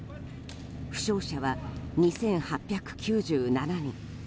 負傷者は２８９７人。